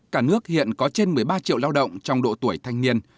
cả nước hiện có trên một mươi ba triệu lao động trong độ tuổi thanh niên